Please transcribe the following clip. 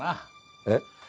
えっ？